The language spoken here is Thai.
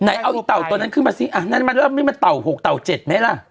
ไหนเอาไอ้เต่าตัวนั้นขึ้นมาซินี่มันเต่า๖เต่า๗ไหนล่ะ